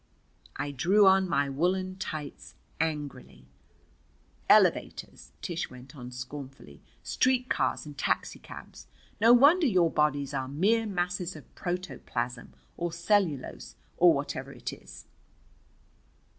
I drew on my woolen tights angrily. "Elevators!" Tish went on scornfully. "Street cars and taxicabs! No wonder your bodies are mere masses of protoplasm, or cellulose, or whatever it is."